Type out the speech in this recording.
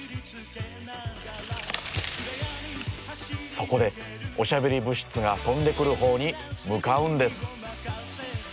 そこでおしゃべり物質が飛んでくるほうに向かうんです。